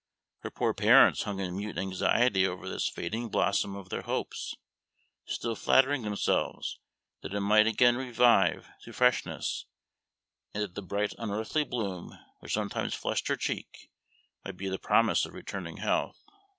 Her poor parents hung in mute anxiety over this fading blossom of their hopes, still flattering themselves that it might again revive to freshness and that the bright unearthly bloom which sometimes flushed her cheek might be the promise of returning health.